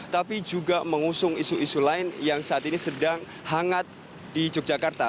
tapi juga mengusung isu isu lain yang saat ini sedang hangat di yogyakarta